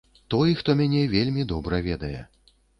Той, хто мяне вельмі добра ведае.